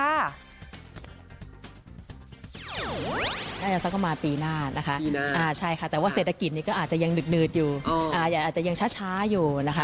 สักประมาณปีหน้านะคะใช่ค่ะแต่ว่าเศรษฐกิจนี้ก็อาจจะยังดืดอยู่อาจจะยังช้าอยู่นะคะ